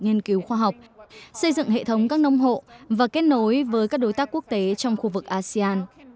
nghiên cứu khoa học xây dựng hệ thống các nông hộ và kết nối với các đối tác quốc tế trong khu vực asean